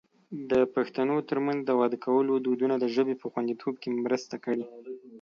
د پښتنو ترمنځ د واده کولو دودونو د ژبې په خوندیتوب کې مرسته کړې.